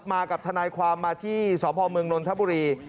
มากับทนายความมาที่สพเมืองนนทบุรี